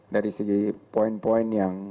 dari segi poin poin yang